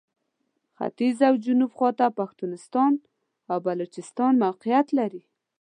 ختیځ او جنوب خواته پښتونستان او بلوچستان موقعیت لري.